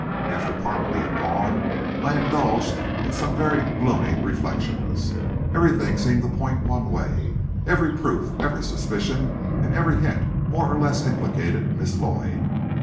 After Parmalee had gone, I indulged in some very gloomy reflections. Everything seemed to point one way. Every proof, every suspicion and every hint more or less implicated Miss Lloyd.